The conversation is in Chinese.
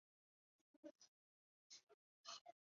三区革命政府旧址始建于清朝末年。